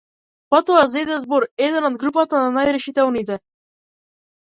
Потоа зеде збор еден од групата на најрешителните.